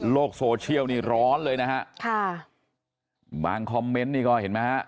โซเชียลนี่ร้อนเลยนะฮะค่ะบางคอมเมนต์นี่ก็เห็นไหมฮะ